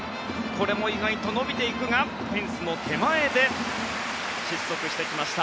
これも意外と伸びていくがフェンスの手前で失速してきました。